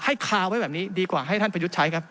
คาไว้แบบนี้ดีกว่าให้ท่านประยุทธ์ใช้ครับ